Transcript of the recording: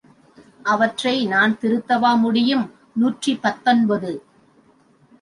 அவற்றை நான் திருத்தவா முடியும்? நூற்றி பத்தொன்பது.